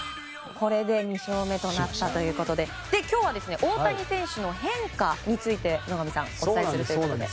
これで２勝目となったということで今日は大谷選手の変化について野上さんお伝えするということで。